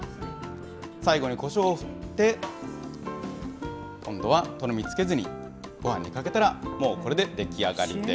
最後にこしょうを振って、今度はとろみつけずに、ごはんにかけたら、もうこれで出来上がりです。